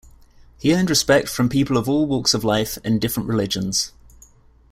He earned respect from people of all walks of life and different religions.